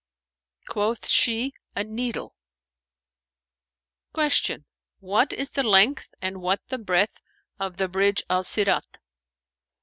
'" Quoth she, "A needle." Q "What is the length and what the breadth of the bridge Al Sirαt?"